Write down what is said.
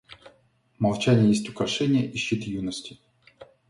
Молчание есть украшение и щит юности.